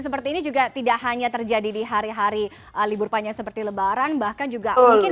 seperti ini juga tidak hanya terjadi di hari hari libur panjang seperti lebaran bahkan juga mungkin